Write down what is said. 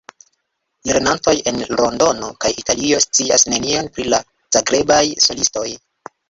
Lernantoj el Londono kaj Italio scias nenion pri la Zagrebaj solistoj.